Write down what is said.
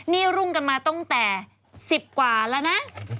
นี่รุ่งกันมาตั้งแต่๑๐กว่าแล้วนะ